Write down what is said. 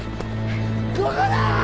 ここだ！